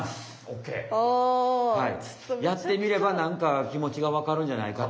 やってみればなんかきもちがわかるんじゃないかと。